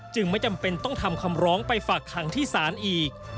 ไม่จำเป็นต้องทำคำร้องไปฝากขังที่ศาลอีก